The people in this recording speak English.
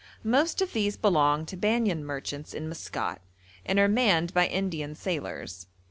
Most of these belong to Banyan merchants in Maskat, and are manned by Indian sailors.